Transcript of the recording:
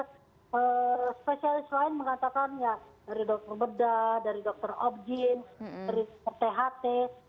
dan dokter spesialis lain mengatakan ya dari dokter bedah dari dokter objins dari dokter tht